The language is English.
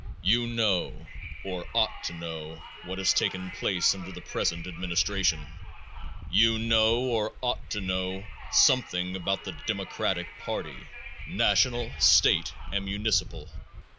You know, or ought to know, what has taken place under the present administration. You know, or ought to know, something about the democratic party, national, state and municipal.